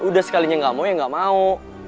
udah sekalinya gak mau ya gak mau